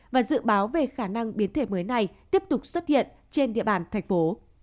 và dự báo về khả năng biến thể mới này tiếp tục xuất hiện trên địa bàn thành phố